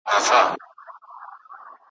سرهمیش دي په سودادئ.